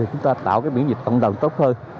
chúng ta tạo biển dịch cộng đồng tốt hơn